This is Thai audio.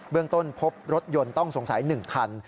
เรื่องต้นพบรถยนต์ต้องสงสัย๑คัน